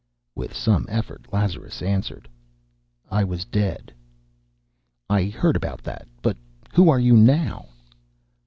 With some effort Lazarus answered: "I was dead." "I heard about that. But who are you now?"